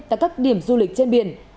tại các điểm du lịch trên biển